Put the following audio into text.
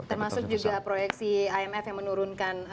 termasuk juga proyeksi imf yang menurunkan